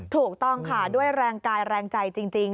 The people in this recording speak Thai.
ถูกต้องค่ะด้วยแรงกายแรงใจจริง